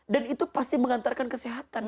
dan itu pasti mengantarkan kesehatan